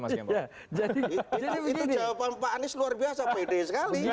itu jawaban pak anies luar biasa pede sekali